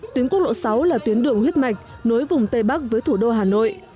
tuyến quốc lộ sáu là tuyến đường huyết mạch nối vùng tây bắc với thủ đô hà nội